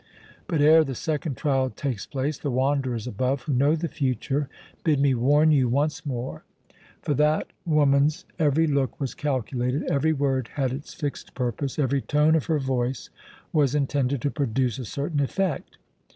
But ere the second trial takes place the wanderers above, who know the future, bid me warn you once more; for that woman's every look was calculated, every word had its fixed purpose, every tone of her voice was intended to produce a certain effect.